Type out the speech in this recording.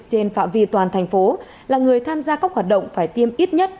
trên phạm vi toàn thành phố là người tham gia các hoạt động phải tiêm ít nhất